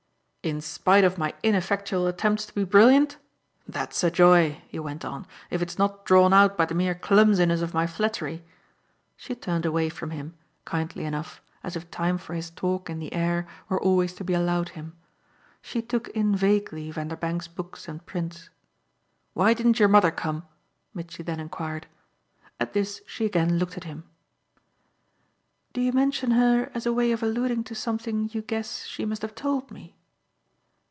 "In spite of my ineffectual attempts to be brilliant? That's a joy," he went on, "if it's not drawn out by the mere clumsiness of my flattery." She had turned away from him, kindly enough, as if time for his talk in the air were always to be allowed him: she took in vaguely Vanderbank's books and prints. "Why didn't your mother come?" Mitchy then enquired. At this she again looked at him. "Do you mention her as a way of alluding to something you guess she must have told me?"